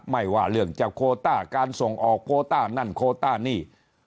ไม่ว่าเรื่องจะโคต้าการส่งออกโคต้านั่นโคต้านี่